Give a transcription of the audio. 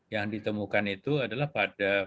yang ditemukan itu adalah pada